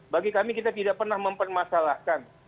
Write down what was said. bagi kami kita tidak pernah mempermasalahkan